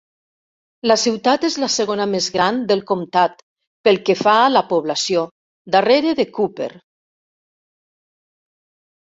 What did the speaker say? La ciutat és la segona més gran del comtat, pel que fa a la població, darrere de Cooper.